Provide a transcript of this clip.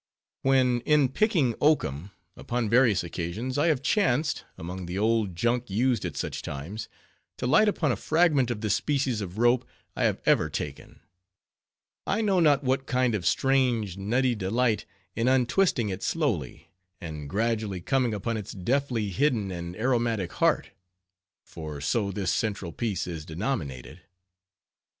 When in picking oakum, upon various occasions, I have chanced, among the old junk used at such times, to light upon a fragment of this species of rope, I have ever taken, I know not what kind of strange, nutty delight in untwisting it slowly, and gradually coming upon its deftly hidden and aromatic "heart;" for so this central piece is denominated.